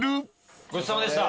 ごちそうさまでした。